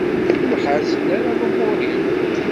Ur ḥerrzen ara lumuṛ-iw.